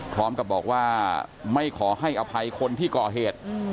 พร้อมกับบอกว่าไม่ขอให้อภัยคนที่ก่อเหตุ